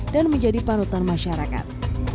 dan menjadi panutan masyarakat